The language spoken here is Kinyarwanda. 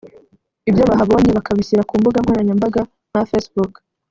ibyo bahabonye bakabishyira ku mbuga nkoranyambaga nka Facebook